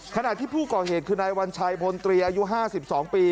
ขณะที่ผู้ก่อเหตุคือนายวันชายพลตรีอายุห้าสิบสองปี